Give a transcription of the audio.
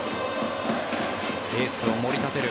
エースをもり立てる。